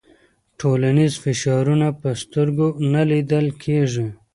ټولنیز فشارونه په سترګو نه لیدل کېږي.